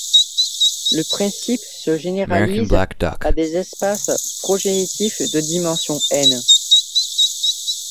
Le principe se généralise à des espaces projectifs de dimension n.